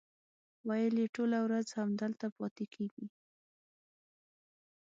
ویل یې ټوله ورځ همدلته پاتې کېږي.